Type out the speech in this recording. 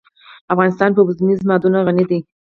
افغانستان په اوبزین معدنونه غني دی.